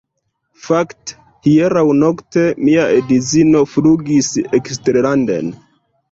Fakte, hieraŭnokte mia edzino flugis eksterlanden